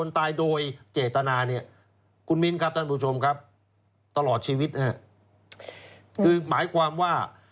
ตลอดชีวิตนะครับคือหมายความว่า